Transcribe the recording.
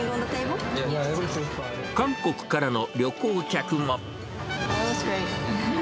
韓国からの旅行客も。